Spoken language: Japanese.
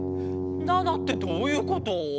７ってどういうこと？